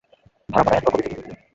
ভাড়া বাড়ায়া দিবা কবে থেকে?